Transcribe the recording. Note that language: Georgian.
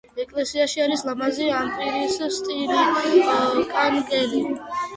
ეკლესიაში არის ლამაზი ამპირის სტილის კანკელი.